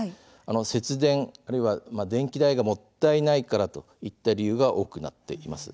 節電、あるいは電気代がもったいないからといった理由が多くなっています。